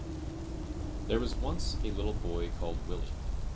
There was once a little boy called Willie.